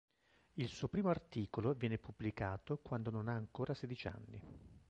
Il suo primo articolo viene pubblicato quando non ha ancora sedici anni.